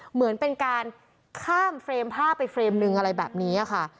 เหมือนเป็นการข้ามเฟรม๕ไปเฟรมหนึ่งอะไรแบบนี้ค่ะ